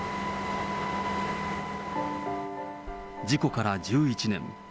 事故から１１年。